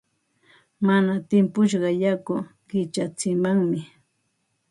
Mana timpushqa yaku qichatsimanmi.